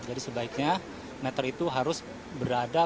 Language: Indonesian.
jadi sebaiknya meter itu harus berada